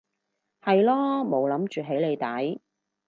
係囉冇諗住起你底